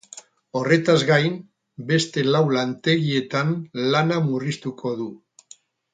Horretaz gain, beste lau lantegietan lana murriztuko du.